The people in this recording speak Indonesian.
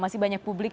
masih banyak publik